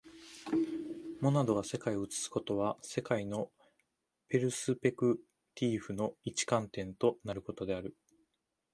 モナドが世界を映すことは、世界のペルスペクティーフの一観点となることである。